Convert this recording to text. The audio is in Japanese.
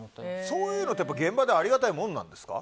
そういうのって現場でありがたいものですか？